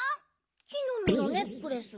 木のみのネックレス。